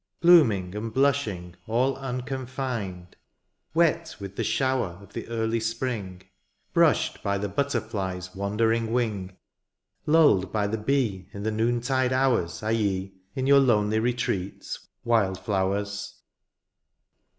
Blooming and blushing all unconfined ; Wet with the shower of the early spring. Brushed by the butterfly's wandering wing. Lulled by the bee in the noontide hours. Are ye, in your lonely retreats, wild flowers. K 148 WILD FLOWERS.